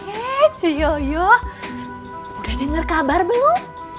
eh cuyoyo udah denger kabar belum